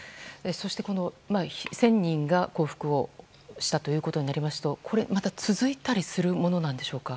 そして、１０００人が降伏をしたとなりますと続いたりするものでしょうか？